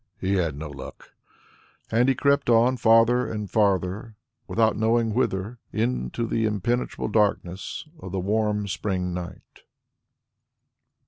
"He had no luck." And he crept on farther and farther, without knowing whither, into the impenetrable darkness of the warm spring night.